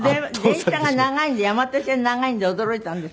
電車が長いんで山手線長いんで驚いたんですって？